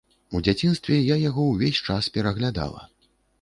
У дзяцінстве я яго ўвесь час пераглядала.